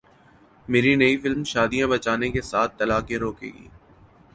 میری نئی فلم شادیاں بچانے کے ساتھ طلاقیں روکے گی